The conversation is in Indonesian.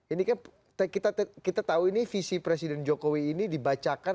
ini kan kita tahu ini visi presiden jokowi ini dibacakan